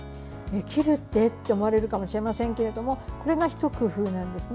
切るって？って思われるかもしれませんけれどもこれが一工夫なんですね。